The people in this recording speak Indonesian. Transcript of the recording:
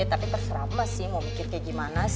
ya tapi terserah mas sih mau mikir kayak gimana